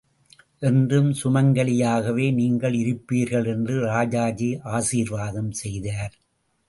என்றும் சுமங்கலியாகவே நீங்கள் இருப்பீர்கள் என்று ராஜாஜி ஆசீர்வாதம் செய்தார்.